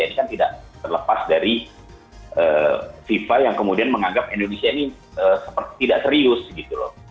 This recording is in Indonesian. ini kan tidak terlepas dari fifa yang kemudian menganggap indonesia ini tidak serius gitu loh